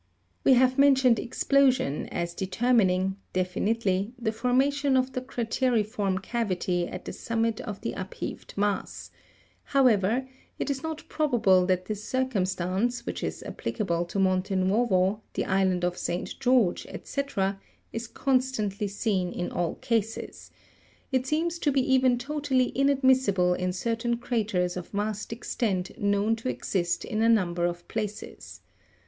We have mentioned explosion as determining, definitely, the formation of the crate'riform cavity at the sum mit of the upheaved mass ; however, it is not probable that this circum stance, which is applicable to Monte Nuovo, the island of St. George, &c., is constantly seen in all cases; it seems to be even totally inadmissible in certain craters of vast extent known to exist in a number of places.